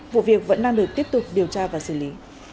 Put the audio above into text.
vụ việc vẫn đang được tiếp tục điều tra và xử lý